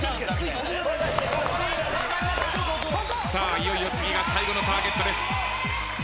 いよいよ次が最後のターゲットです。